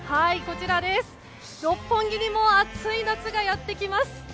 六本木にも熱い夏がやってきます。